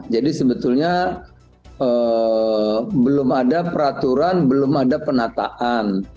jadi sebetulnya belum ada peraturan belum ada penataan